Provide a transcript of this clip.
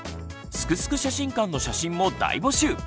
「すくすく写真館」の写真も大募集！